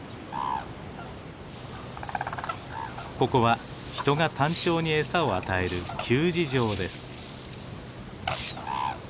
ここは人がタンチョウに餌を与える給餌場です。